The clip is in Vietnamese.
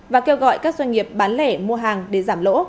và kêu gọi các doanh nghiệp bán lẻ một lít